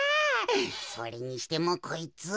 それにしてもこいつ。